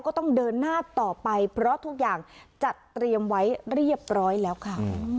ก็ต้องเดินหน้าต่อไปเพราะทุกอย่างจัดเตรียมไว้เรียบร้อยแล้วค่ะ